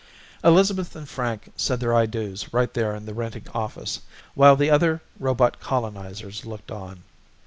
Elizabeth and Frank said their I do's right there in the Renting Office while the other robot colonizers looked on.